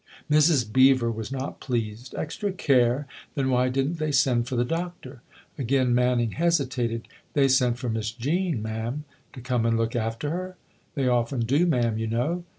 Mrs. Beever was not pleased. " Extra care ? Then why didn't they send for the Doctor ?" Again Manning hesitated. "They sent for Miss Jean, ma'am." " To come and look after her ?" "They often do, ma'am, you know.